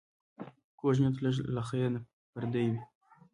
کوږ نیت له خېر نه پردی وي